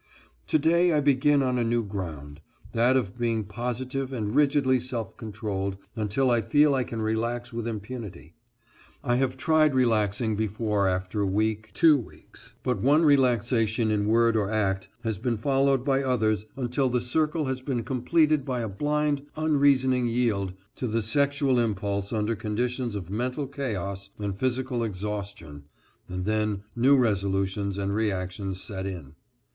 To day I begin on a new ground, that of being positive and rigidly self controlled until I feel I can relax with impunity. I have tried relaxing before after a week, two weeks, but one relaxation in word or act has been followed by others until the circle has been completed by a blind unreasoning yield to the sexual impulse under conditions of mental chaos and physical exhaustion, and then new resolutions and reaction set in.